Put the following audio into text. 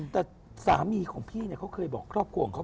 แต่สามีของพี่เนี่ยเขาเคยบอกครอบครัวของเขา